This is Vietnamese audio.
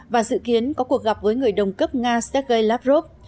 và dự kiến có cuộc gặp với người đồng cấp nga sergei lavrov